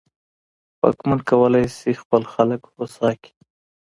واکمن کولای سي خپل خلګ هوسا کړي.